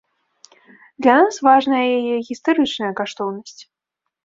Для нас важная яе гістарычная каштоўнасць.